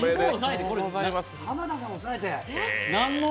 浜田さん抑えて？